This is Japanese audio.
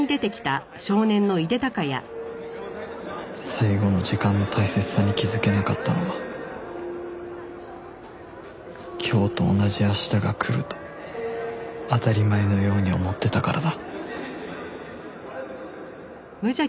最後の時間の大切さに気づけなかったのは今日と同じ明日が来ると当たり前のように思ってたからだ